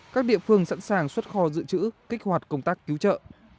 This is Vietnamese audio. các địa phương sẵn sàng xuất kho dự trữ kích hoạt công tác cứu trợ